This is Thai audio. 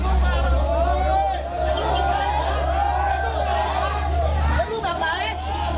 ทางแฟนสาวก็พาคุณแม่ลงจากสอพอ